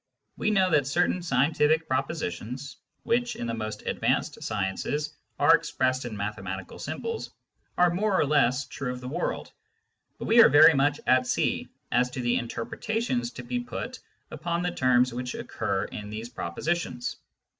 We know that certain scientific pro positions — which, in the most advanced sciences, are expressed in mathematical symbols — are more or less true of the world, but we are rery much at sea as to the interpretation to be put upon the terms which occur in these propositions.